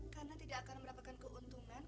karena tidak akan mendapatkan keuntungan